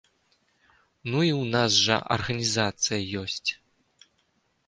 Ну, і ў нас жа арганізацыя ёсць.